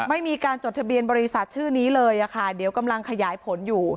ไม่มีการจดทะเบียนบริษัทชื่อนี้เลยค่ะเดี๋ยวกำลังขยายผลอยู่